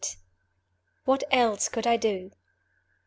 WHAT ELSE COULD I DO?